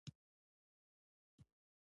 له یو کتاب نه یې چې پښتۍ یې شلیدلې وه.